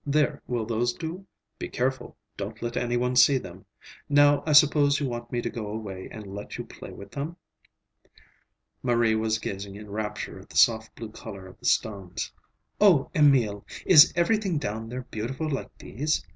"There, will those do? Be careful, don't let any one see them. Now, I suppose you want me to go away and let you play with them?" Marie was gazing in rapture at the soft blue color of the stones. "Oh, Emil! Is everything down there beautiful like these?